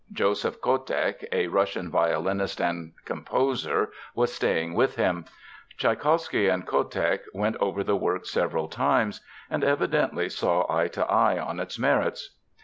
Joseph Kotek, a Russian violinist and composer, was staying with him. Tschaikowsky and Kotek went over the work several times, and evidently saw eye to eye on its merits.